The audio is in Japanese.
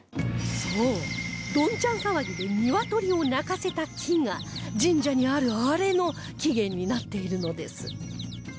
そうどんちゃん騒ぎで鶏を鳴かせた木が神社にあるアレの起源になっているのです